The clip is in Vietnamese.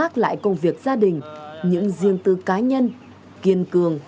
tại công việc gia đình những riêng tư cá nhân kiên cường